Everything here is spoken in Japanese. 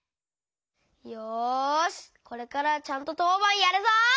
よしこれからはちゃんととうばんやるぞ！